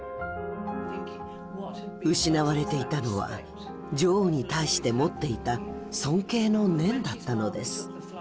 失われていたのは女王に対して持っていた尊敬の念だったのです。